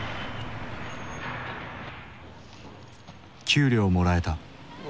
給料もらえた。